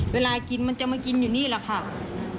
เวลากินมันจะมากินอยู่นี่แหละค่ะ